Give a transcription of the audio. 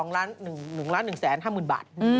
๑๑๕ล้านบาท